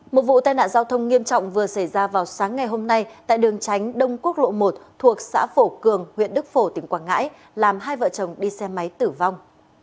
một vụ tai nạn giao thông nghiêm trọng vừa xảy ra vào sáng ngày hôm nay tại đường tránh đông quốc lộ một thuộc xã phổ cường huyện đức phổ tỉnh quảng ngãi làm hai vợ chồng đi xe máy tử vong